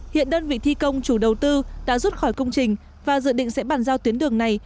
hiện đơn vị thi công chủ đầu tư đã rút khỏi công trình và dự định sẽ bàn giao tuyến đường này